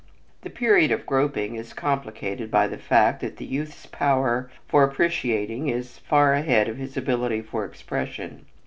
This period of groping is complicated by the fact that the youth's power for appreciating is far ahead of his ability for expression.